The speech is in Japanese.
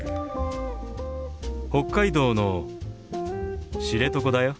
北海道の知床だよ。